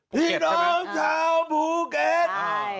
พี่น้องชาวภูเก็ต